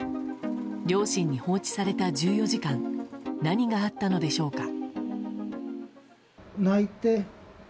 両親に放置された１４時間何があったのでしょうか。